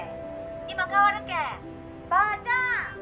☎今代わるけんばーちゃん！